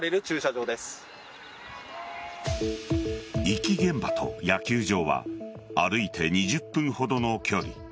遺棄現場と野球場は歩いて２０分ほどの距離。